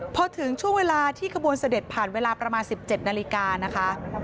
พอถึงช่วงเวลาที่ขบวนเสด็จผ่านเวลาประมาณ๑๗นาฬิกานะคะ